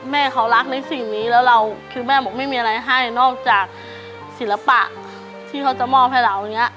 แม่เขารักในสิ่งนี้แล้วเราคือแม่บอกไม่มีอะไรให้นอกจากศิลปะที่เขาจะมอบให้เราเนี่ย